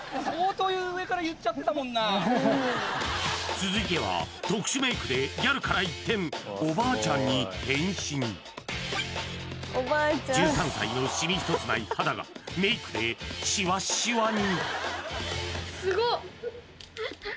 続いては特殊メイクでギャルから一転おばあちゃんに変身１３歳のシミ一つない肌がメイクでシワシワに！